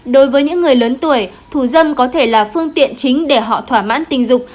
đối với những người lớn tuổi thủ dâm có thể là phương tiện chính để họ thỏa mãn tình dục